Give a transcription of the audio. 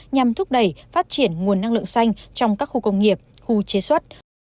nhằm thúc đẩy phát triển nguồn năng lượng xanh trong các khu công nghiệp khu chế xuất